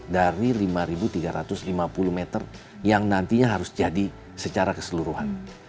dari lima tiga ratus lima puluh meter yang nantinya harus jadi secara keseluruhan